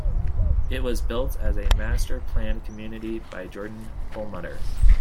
It was built as a master planned community by Jordon Perlmutter.